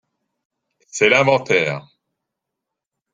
C’est l’inventaire